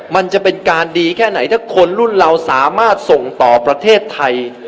มันจะเป็นการดีแค่ไหนถ้าคนรุ่นเราสามารถส่งต่อประเทศไทย